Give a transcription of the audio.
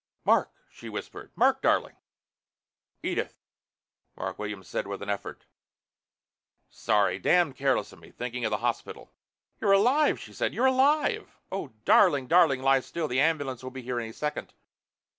"Mark!" she whispered. "Mark, darling!" "Edith," Mark Williams said with an effort. "Sorry damned careless of me. Thinking of the hospital...." "You're alive!" she said. "You're alive! Oh, darling, darling, lie still, the ambulance will be here any second."